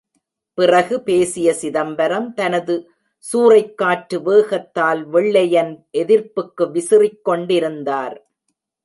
பிறகு பேசிய சிதம்பரம் தனது சூறைக் காற்று வேகத்தால் வெள்ளையன் எதிர்ப்புக்கு விசிறிக் கொண்டிருந்தார்.